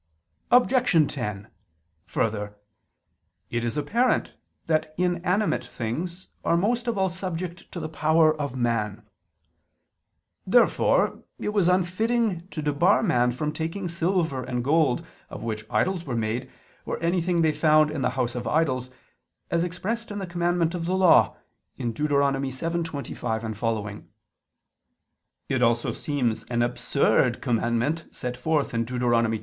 Objection 10: Further, it is apparent that inanimate things are most of all subject to the power of man. Therefore it was unfitting to debar man from taking silver and gold of which idols were made, or anything they found in the houses of idols, as expressed in the commandment of the Law (Deut. 7:25, seqq.). It also seems an absurd commandment set forth in Deut.